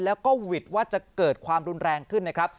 แล้วก็หวิดว่าจะเกิดความรุนแรงขึ้นนะครับ